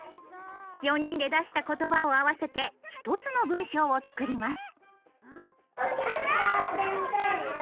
４人で出した言葉を合わせて一つの文章を作ります。